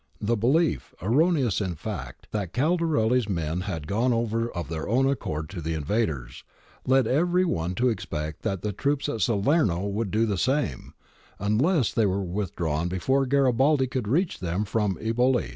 The behef, erroneous in fact, that Caldarelli's men had gone over of their own accord to the invaders, led every one to expect that the troops at Salerno would do the same, unless they were withdrawn before Garibaldi could reach them from Eboli.